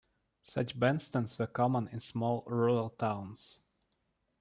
Such bandstands were common in small rural towns.